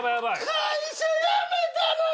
会社辞めたのに。